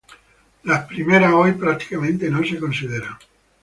Las primeras hoy, prácticamente, no se consideran.